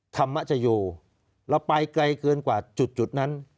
ธรรมจโยเราไปไกลเกินกว่าจุดนั้น